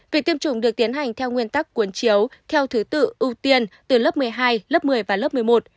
việc tiêm chủng được tiến hành theo nguyên tắc cuốn chiếu theo thứ tự ưu tiên từ lớp một mươi hai lớp một mươi và lớp một mươi một